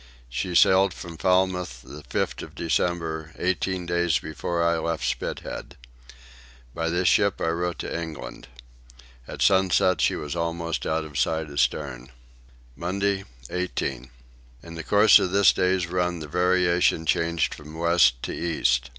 She sailed from Falmouth the 5th of December, eighteen days before I left Spithead. By this ship I wrote to England. At sunset she was almost out of sight astern. Monday 18. In the course of this day's run the variation changed from west to east.